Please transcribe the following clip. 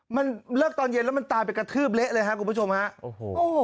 มันเลิกตอนเย็นแล้วมันตายไปกระทืบเละเลยครับ